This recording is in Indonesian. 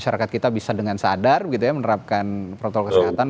masyarakat kita bisa dengan sadar menerapkan protokol kesehatan